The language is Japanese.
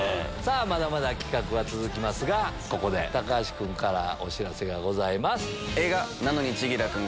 まだまだ企画は続きますがここで高橋君からお知らせがございます。